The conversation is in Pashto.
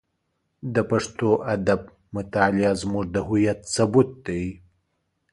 د پښتو ادب مطالعه زموږ د هویت ثبوت دی.